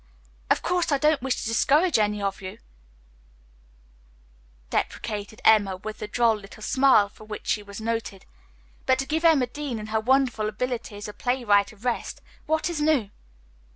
"Of course, I don't wish to discourage any of you," deprecated Emma with the droll little smile for which she was noted. "But to give Emma Dean and her wonderful ability as a playwright a rest, what is new?"